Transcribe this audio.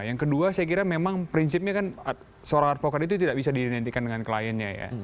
yang kedua saya kira memang prinsipnya kan seorang advokat itu tidak bisa didentikan dengan kliennya ya